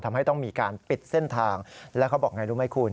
ทำให้ต้องมีการปิดเส้นทางแล้วเขาบอกไงรู้ไหมคุณ